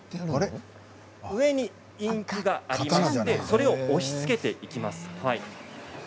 上にインクがありましてそれを押しつけていきます。